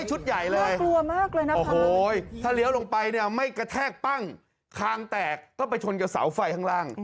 จังหวัดไหนครับเอ้าไผ่หัวนะฮะ